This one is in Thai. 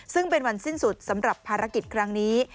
ซึ่งเป็นวันสิ้นสุดสำหรับภารกิจครั้งนี้